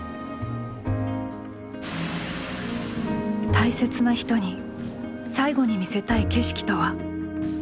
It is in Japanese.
大切な人に最後に見せたい景色とは。